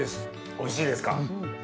おいしいですか。